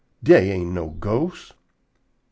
"Dey ain't no ghosts."